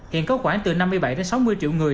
hiện có khoảng từ năm mươi bảy đến sáu mươi triệu người